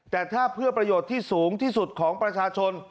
แต่ถ้าเพื่อประโยชน์ที่สูงที่สุดของประชาชน